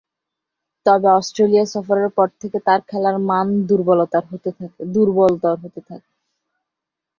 তবে, অস্ট্রেলিয়া সফরের পর থেকে তার খেলার মান দূর্বলতর হতে থাকে।